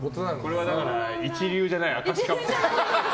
これは、一流じゃない証かも。